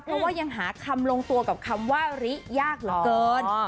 เพราะว่ายังหาคำลงตัวกับคำว่าริยากเหลือเกิน